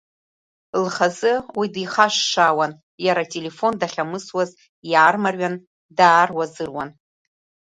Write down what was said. Лхазы уи дихашшаауан, иара ателефон дахьамысуаз иаармариан дааруазыруан.